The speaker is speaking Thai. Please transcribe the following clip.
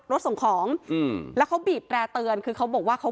ส่งของอืมแล้วเขาบีบแร่เตือนคือเขาบอกว่าเขา